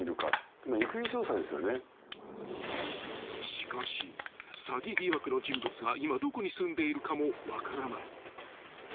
［しかし詐欺疑惑の人物が今どこに住んでいるかも分からない］